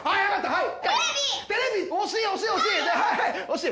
はい。